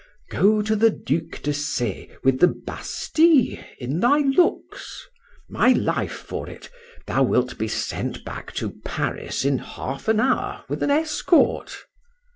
Go to the Duc de C— with the Bastile in thy looks;—my life for it, thou wilt be sent back to Paris in half an hour with an escort.